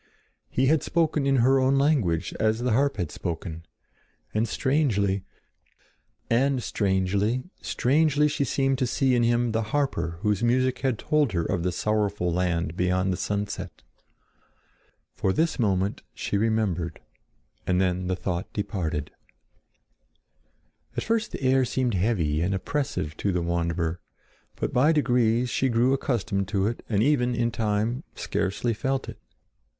He had spoken in her own language as the harp had spoken, and strangely, strangely she seemed to see in him the harper whose music had told her of the sorrowful land beyond the sunset. For this moment, she remembered, and then the thought departed. At first the air seemed heavy and oppressive to the wanderer; but by degrees she grew accustomed to it and even, in time, scarcely felt it.